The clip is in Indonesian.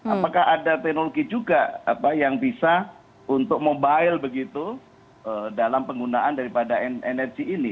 apakah ada teknologi juga yang bisa untuk mobile begitu dalam penggunaan daripada energi ini